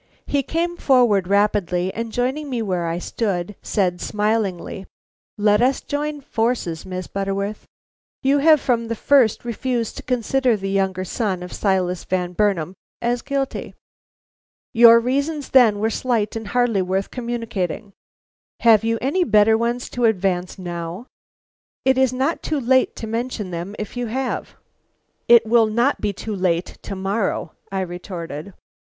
He came forward rapidly and, joining me where I stood, said smilingly: "Let us join forces, Miss Butterworth. You have from the first refused to consider the younger son of Silas Van Burnam as guilty. Your reasons then were slight and hardly worth communicating. Have you any better ones to advance now? It is not too late to mention them, if you have." "It will not be too late to morrow," I retorted.